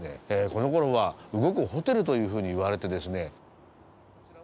このころは「動くホテル」というふうにいわれてですね。